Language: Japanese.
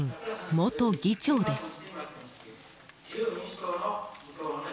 元議長です。